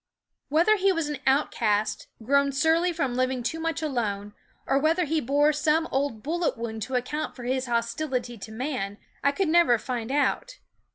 Whether he was an outcast, grown surly from living too much alone, or whether he bore some old bullet wound to account for his hostility to man, I could never find out.